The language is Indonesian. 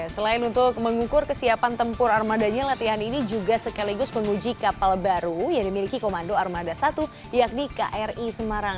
selain untuk mengukur kesiapan tempur armadanya latihan ini juga sekaligus menguji kapal baru yang dimiliki komando armada satu yakni kri semarang